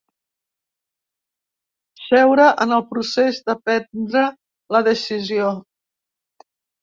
Seure en el procés de prendre la decisió.